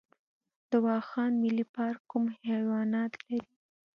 د واخان ملي پارک کوم حیوانات لري؟